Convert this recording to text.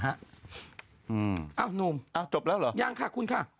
อ้าวหนุ่มจบแล้วเหรอยังค่ะคุณค่ะ